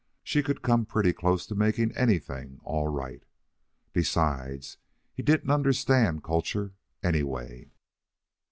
She could come pretty close to making anything all right. Besides, he didn't understand culture anyway.